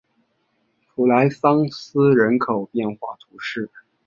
普莱桑斯人口变化图示